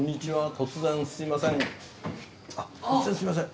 突然すいません。